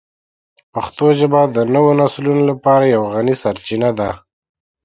پښتو ژبه د نوو نسلونو لپاره یوه غني سرچینه ده.